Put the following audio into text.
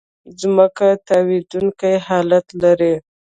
ځمکه تاوېدونکې حرکت لري.